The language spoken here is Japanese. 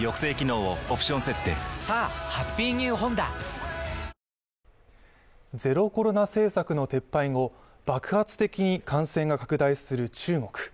東芝ゼロコロナ政策の撤廃後、爆発的に感染が拡大する中国。